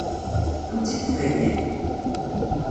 Ad m-tt-id-theggi?